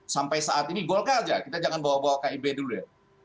sampai saat ini golkar aja kita jangan bawa bawa kib dulu ya